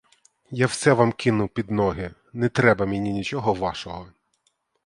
Я все вам кину під ноги, не треба мені нічого вашого!